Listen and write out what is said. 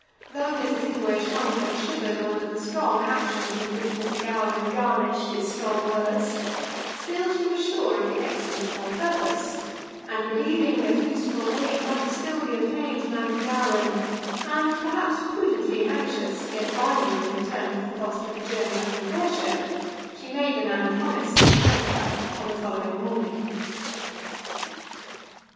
Though Mrs. Hittaway shrunk and shivered under the strong action with which Mr. Gowran garnished his strong words, still she was sure of the excellence of her purpose; and, believing that useful aid might still be obtained from Andy Gowran, and, perhaps, prudently anxious to get value in return for the cost of the journey up from Ayrshire, she made the man promise to return to her on the following morning.